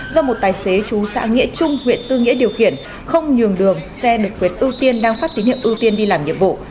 do một tài xế chú xã nghĩa trung huyện tư nghĩa điều khiển không nhường đường xe được quyền ưu tiên đang phát tín hiệu ưu tiên đi làm nhiệm vụ